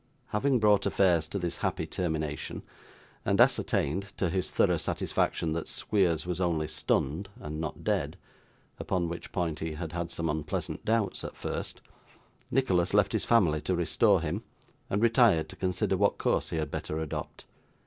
Having brought affairs to this happy termination, and ascertained, to his thorough satisfaction, that Squeers was only stunned, and not dead (upon which point he had had some unpleasant doubts at first), Nicholas left his family to restore him, and retired to consider what course he had better adopt.